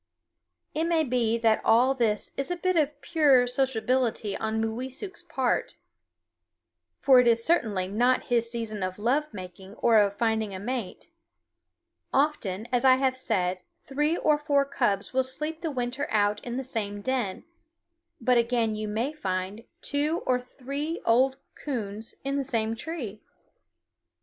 It may be that all this is a bit of pure sociability on Mooweesuk's part, for it is certainly not his season of love making or of finding a mate. Often, as I have said, three or four cubs will sleep the winter out in the same den; but again you may find two or three old coons in the same tree.